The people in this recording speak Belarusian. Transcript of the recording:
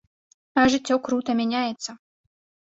А жыццё крута мяняецца.